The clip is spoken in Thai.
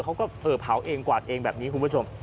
เขาก็เผาเองกวาดเองแบบนี้คุณผู้ชม